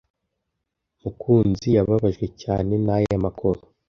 Mukunzi yababajwe cyane naya makuru.